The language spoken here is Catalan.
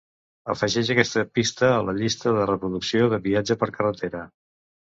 afegeix aquesta pista a la llista de reproducció de viatge per carretera